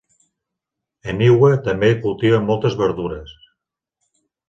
Eniwa també cultiva moltes verdures.